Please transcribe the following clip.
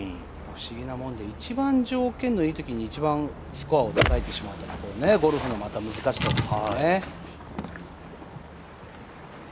不思議なもので一番いい条件のいいときに一番スコアを落としてしまうゴルフのまた難しさですよね。